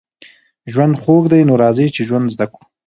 ژوند خوږ دی نو راځئ چې ژوند زده کړو